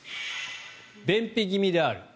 便秘気味である。